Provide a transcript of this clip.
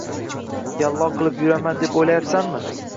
Yallo qilib yuraman deb o`ylayapsanmi